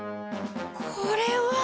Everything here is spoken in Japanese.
これは。